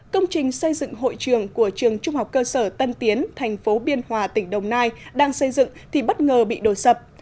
công trình xây dựng hội trường của trường trung học cơ sở tân tiến thành phố biên hòa tỉnh đồng nai đang xây dựng thì bất ngờ bị đổ sập